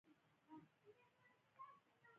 باسواده ښځې د قاضیانو په توګه دنده ترسره کوي.